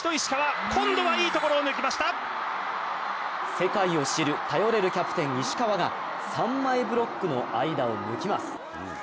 世界を知る頼れるキャプテン・石川が三枚ブロックの間を抜きます。